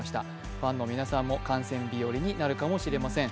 ファンの皆さんも観戦日和になるかもしれません。